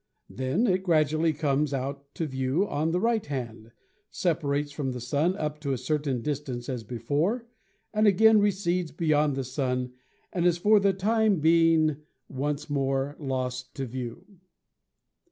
Then it gradually comes out to view on the right hand, separates from the Sun up to a certain distance as before, and again recedes beyond the Sun, and is for the time being once more lost to view.